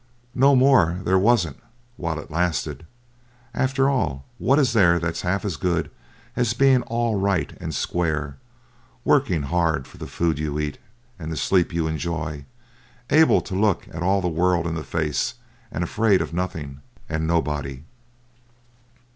No more there wasn't, while it lasted. After all, what is there that's half as good as being all right and square, working hard for the food you eat, and the sleep you enjoy, able to look all the world in the face, and afraid of nothing and nobody!